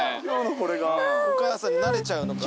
お母さんになれちゃうのかな。